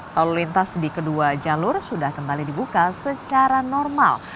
lalu lintas di kedua jalur sudah kembali dibuka secara normal